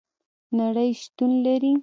نړۍ شتون لري